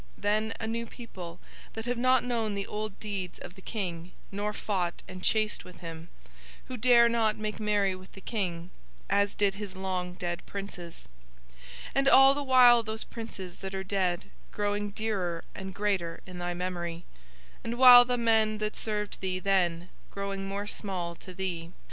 Then a new people that have not known the old deeds of the King nor fought and chased with him, who dare not make merry with the King as did his long dead princes. And all the while those princes that are dead growing dearer and greater in thy memory, and all the while the men that served thee then growing more small to thee.